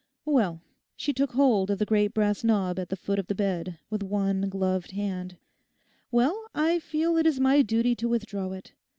'Well,' she took hold of the great brass knob at the foot of the bed with one gloved hand—'well, I feel it is my duty to withdraw it.